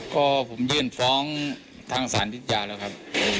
ก็ยื่นฟ้องทางสารพิจารณีแล้วครับ